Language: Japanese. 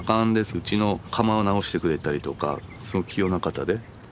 うちの釜直してくれたりとかすごい器用な方で。